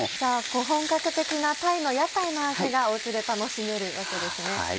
本格的なタイの屋台の味がお家で楽しめるわけですね。